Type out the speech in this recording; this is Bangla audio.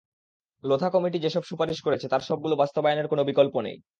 লোধা কমিটি যেসব সুপারিশ করেছে, তার সবগুলো বাস্তবায়নের কোনো বিকল্প নেই।